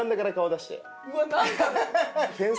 うわ何か。